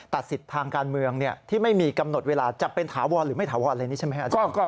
ตัดสิทธิ์ทางการเมืองที่ไม่มีกำหนดเวลาจะเป็นถาวรหรือไม่ถาวรอะไรนี้ใช่ไหมอาจารย์